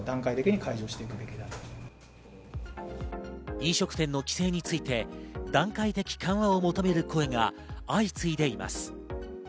飲食店の規制について、段階的緩和を求める声が相次いでいます。